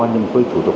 những cái thủ tục